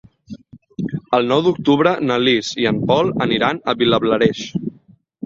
El nou d'octubre na Lis i en Pol aniran a Vilablareix.